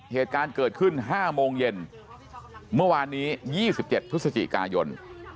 เหตุการณ์เกิดขึ้น๕โมงเย็นเมื่อวานนี้๒๗พฤศจิกายน